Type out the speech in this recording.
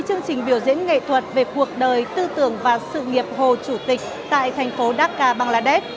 chương trình biểu diễn nghệ thuật về cuộc đời tư tưởng và sự nghiệp hồ chủ tịch tại thành phố dhaka bangladesh